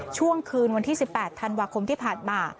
ช่วงคืนวันที่๑๘ธันวาคมที่ผ่านมา